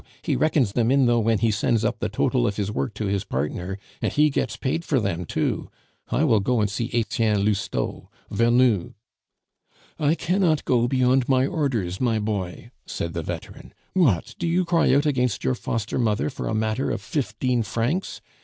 He reckons them in though when he sends up the total of his work to his partner, and he gets paid for them too. I will go and see Etienne Lousteau, Vernou " "I cannot go beyond my orders, my boy," said the veteran. "What! do you cry out against your foster mother for a matter of fifteen francs?